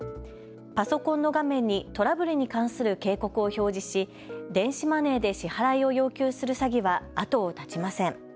パソコンの画面にトラブルに関する警告を表示し電子マネーで支払いを要求する詐欺は後を絶ちません。